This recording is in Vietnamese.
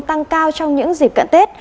tăng cao trong những dịp cận tết